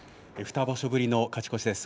２場所ぶりの勝ち越しです。